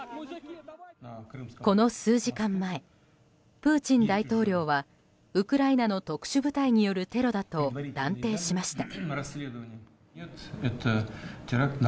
この数時間前プーチン大統領はウクライナの特殊部隊によるテロだと断定しました。